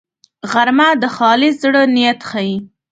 غرمه د خالص زړه نیت ښيي